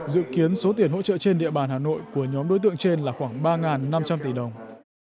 dự kiến số tiền hỗ trợ trên địa bàn hà nội của nhóm đối tượng trên là khoảng ba năm trăm linh tỷ đồng